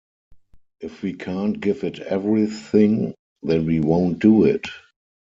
If we can't give it everything then we won't do it.